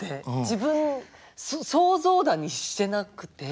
自分想像だにしてなくて。